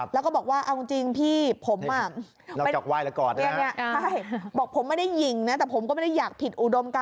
แล้วก็บอกว่าเอาจริงพี่ผม